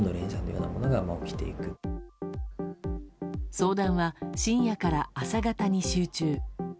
相談は深夜から朝方に集中。